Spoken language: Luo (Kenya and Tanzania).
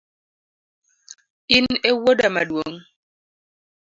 In ewuoda maduong’?